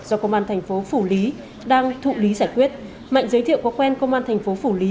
do công an thành phố phủ lý đang thụ lý giải quyết mạnh giới thiệu có quen công an thành phố phủ lý